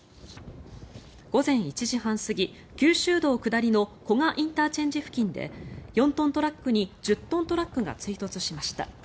午前１時半過ぎ九州道下りの古賀ＩＣ付近で４トントラックに１０トントラックが追突しました。